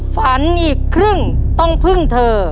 ฝันอีกครึ่งต้องพึ่งเธอ